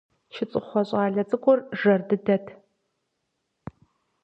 ЧыцӀыхъуэ щӀалэ цӀыкӀур жэр дыдэт.